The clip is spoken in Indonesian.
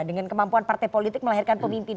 dengan kemampuan partai politik melahirkan pemimpin